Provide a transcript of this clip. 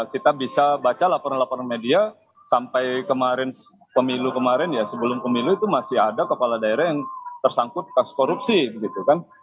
kita bisa baca laporan laporan media sampai kemarin pemilu kemarin ya sebelum pemilu itu masih ada kepala daerah yang tersangkut kasus korupsi begitu kan